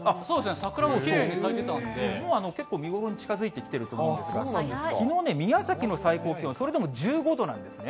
桜もきれいに咲結構、見頃に近づいてきていると思うんですが、きのう、宮崎の最高気温、それでも１５度なんですね。